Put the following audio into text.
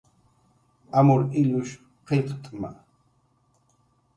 Amur illush qillqt'ma